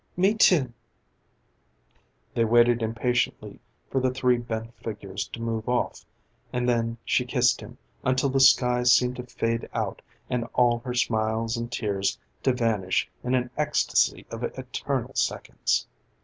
"Me, too." They waited impatiently for the three bent figures to move off, and then she kissed him until the sky seemed to fade out and all her smiles and tears to vanish in an ecstasy of eternal seconds.